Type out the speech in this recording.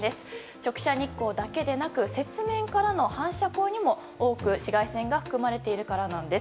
直射日光だけでなく雪面からの反射光にも多く紫外線が含まれているからなんです。